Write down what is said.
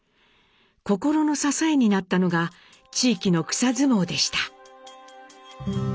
心の支えになったのが地域の草相撲でした。